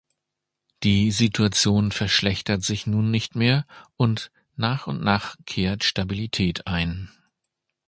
Die Situation verschlechtert sich nun nicht mehr, und nach und nach kehrt Stabilität ein.